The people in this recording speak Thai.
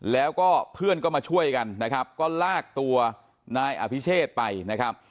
แล้วก็เพื่อนก็มาช่วยกันนะครับก็ลากตัวนายอภิเชษไปนะครับ